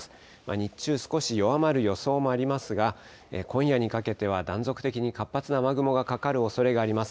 日中、少し弱まる予想もありますが、今夜にかけては断続的に活発な雨雲がかかるおそれがあります。